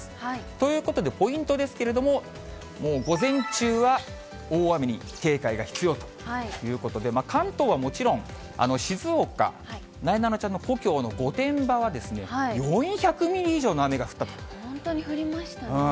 ということで、ポイントですけれども、もう午前中は大雨に警戒が必要ということで、関東はもちろん、静岡、なえなのちゃんの故郷の御殿場はですね、４００ミリ以上の雨が降本当に降りましたね。